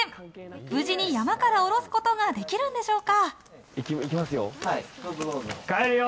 無事に山から降ろすことができるんでしょうか。